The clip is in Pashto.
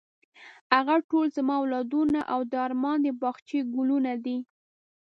هغه ټول زما اولادونه او د ارمان د باغچې ګلونه دي.